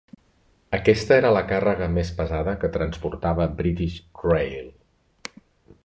Aquesta era la càrrega més pesada que transportava British Rail.